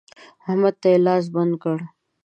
احمد ته يې لاس بند کړ.